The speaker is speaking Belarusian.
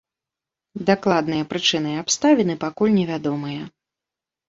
Дакладныя прычыны і абставіны пакуль невядомыя.